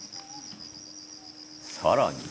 さらに。